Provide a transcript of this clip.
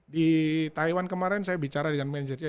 di taiwan kemarin saya bicara dengan manajernya